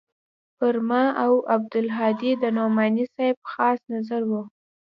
پر ما او عبدالهادي د نعماني صاحب خاص نظر و.